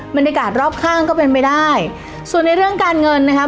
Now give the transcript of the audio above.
บรรยากาศรอบข้างก็เป็นไปได้ส่วนในเรื่องการเงินนะครับ